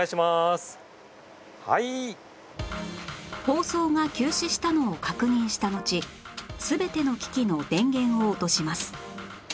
放送が休止したのを確認したのち全ての機器の電源を落とします